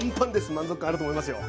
満足感あると思いますよ。